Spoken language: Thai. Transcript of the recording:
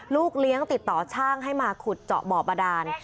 ลูกเลี้ยงติดต่อช่างให้มาขุดเจาะบ่อบาดาน